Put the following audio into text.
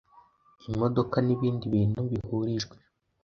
imodoka n ibindi bintu bihurijwe